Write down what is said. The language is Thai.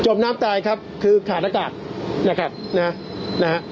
มน้ำตายครับคือขาดอากาศนะครับนะฮะ